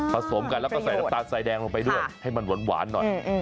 สมกันแล้วก็ใส่น้ำตาลสายแดงลงไปด้วยให้มันหวานหน่อย